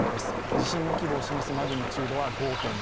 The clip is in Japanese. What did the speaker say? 地震の規模をマグニチュードは５．２。